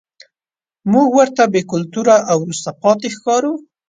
موږ ورته بې کلتوره او وروسته پاتې ښکارو.